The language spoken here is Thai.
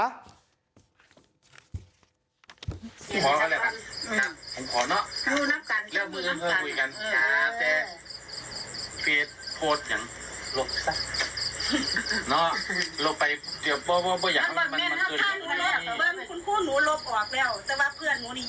โอเคว่าคือลบตัวนี้สำหรับคุณเนี่ยเนาะขอกันมือไปไปคุยกันนะครับ